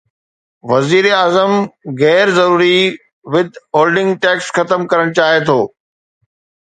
وزيراعظم غير ضروري ود هولڊنگ ٽيڪس ختم ڪرڻ چاهي ٿو